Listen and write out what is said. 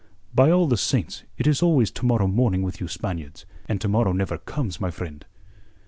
"By all the saints, it is always 'to morrow morning' with you Spaniards; and to morrow never comes, my friend."